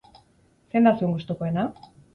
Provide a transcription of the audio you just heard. Zein da zuen gustokoena?